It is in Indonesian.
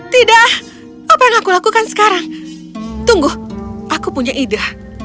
tidak apa yang aku lakukan sekarang tunggu aku punya ide